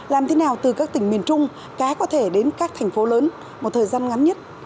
làm thế nào từ các tỉnh miền trung cá có thể đến các thành phố lớn một thời gian ngắn nhất